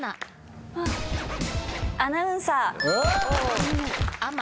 アナウンサー。